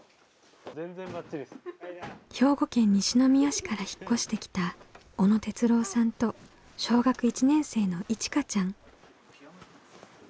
兵庫県西宮市から引っ越してきた小野哲郎さんと小学１年生のいちかちゃん。